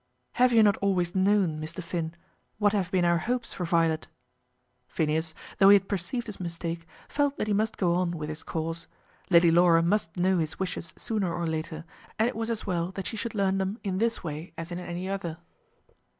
"Have you not always known, Mr. Finn, what have been our hopes for Violet?" Phineas, though he had perceived his mistake, felt that he must go on with his cause. Lady Laura must know his wishes sooner or later, and it was as well that she should learn them in this way as in any other.